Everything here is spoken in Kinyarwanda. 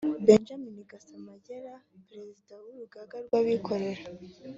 Benjamin Gasamagera Perezida w’Urugaga rw’abikorera